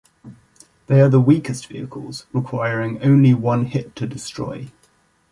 They are the weakest vehicles, requiring only one hit to destroy.